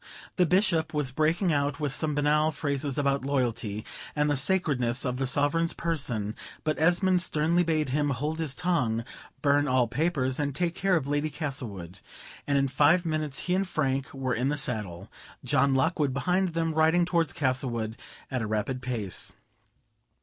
The Bishop was breaking out with some banale phrases about loyalty, and the sacredness of the Sovereign's person; but Esmond sternly bade him hold his tongue, burn all papers, and take care of Lady Castlewood; and in five minutes he and Frank were in the saddle, John Lockwood behind them, riding towards Castlewood at a rapid pace.